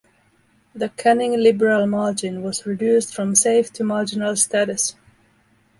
The Canning Liberal margin was reduced from safe to marginal status.